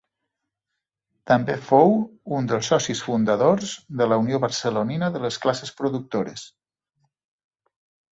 També fou un dels socis fundadors de la Unió Barcelonina de les Classes Productores.